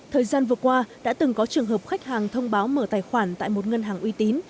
thời gian vừa qua đã từng có trường hợp khách hàng thông báo mở tài khoản tại một ngân hàng uy tín